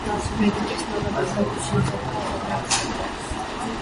Մեկ ու կես տարվա բանտարկությունից հետո ազատ է արձակվել։